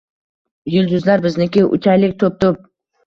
Yulduzlar bizniki. Uchaylik to’p-to’p.